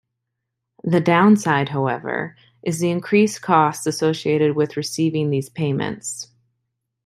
The downside, however, is the increased costs associated with receiving these payments.